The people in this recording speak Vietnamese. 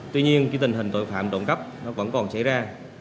tuy nhiên tình hình tội phạm trộm cấp vẫn còn xảy ra